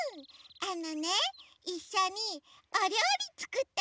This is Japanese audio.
あのねいっしょにおりょうりつくったりしてあそぶの。